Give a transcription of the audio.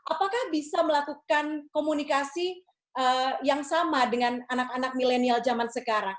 apakah bisa melakukan komunikasi yang sama dengan anak anak milenial zaman sekarang